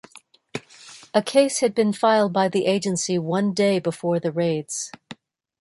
A case had been filed by the agency one day before the raids.